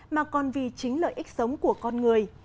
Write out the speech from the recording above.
mà còn vì chính lợi ích sống của con người